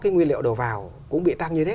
nguyên liệu đầu vào cũng bị tăng như thế